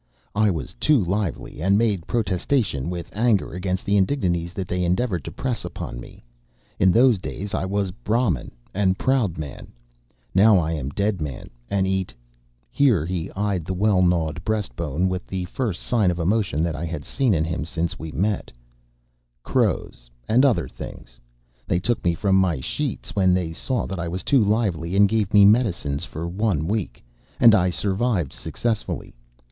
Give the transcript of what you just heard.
I was too lively, and made protestation with anger against the indignities that they endeavored to press upon me. In those days I was Brahmin and proud man. Now I am dead man and eat" here he eyed the well gnawed breast bone with the first sign of emotion that I had seen in him since we met "crows, and other things. They took me from my sheets when they saw that I was too lively and gave me medicines for one week, and I survived successfully.